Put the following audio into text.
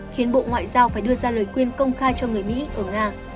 khiến bộ ngoại giao phải đưa ra lời khuyên công khai cho người mỹ ở nga